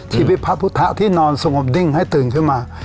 พระพุทธที่นอนสงบนิ่งให้ตื่นขึ้นมา